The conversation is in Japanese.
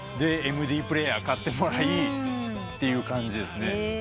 ＭＤプレーヤー買ってもらいって感じですね。